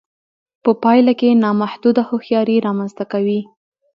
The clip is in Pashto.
په پایله کې نامحدوده هوښیاري رامنځته کوي